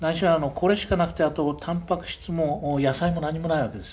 これしかなくてあとたんぱく質も野菜も何もないわけです。